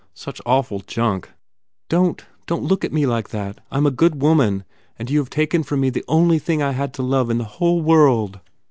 Such awful junk! Don t, don t look at me like that. I m a good woman, and you have taken from me the only thing I had to love in the whole world.